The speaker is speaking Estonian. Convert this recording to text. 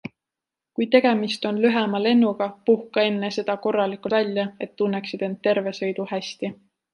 Kui tegemist on lühema lennuga, puhka enne seda korralikult välja, et tunneksid end terve sõidu hästi.